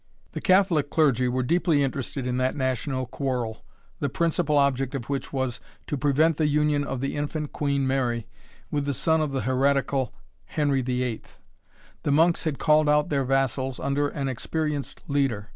The Catholic clergy were deeply interested in that national quarrel, the principal object of which was, to prevent the union of the infant Queen Mary, with the son of the heretical Henry VIII. The Monks had called out their vassals, under an experienced leader.